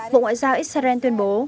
vụ ngoại giao israel tuyên bố